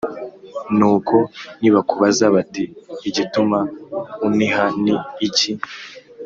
Nuko nibakubaza bati Igituma uniha ni iki